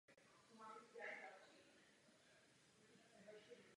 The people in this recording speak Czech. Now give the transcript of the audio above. Jeho bratrem je hokejista Ivo Prorok.